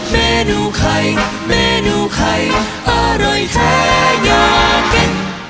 เมนูไข่เมนูไข่อร่อยแท้อยากกิน